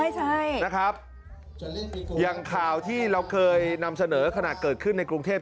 นะครับอย่างข่าวที่เราเคยนำเสนอขนาดเกิดขึ้นในกรุงเทพ